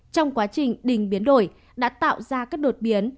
trong quá trình đình biến đổi đã tạo ra các đột biến